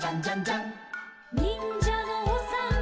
「にんじゃのおさんぽ」